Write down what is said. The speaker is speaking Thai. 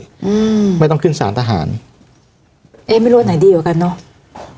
อืมไม่ต้องขึ้นสารทหารเอ๊ะไม่รู้ว่าไหนดีกว่ากันเนอะ